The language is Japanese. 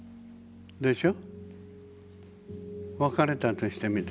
でしょ。